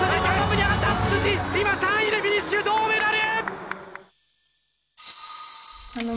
今３位でフィニッシュ銅メダル！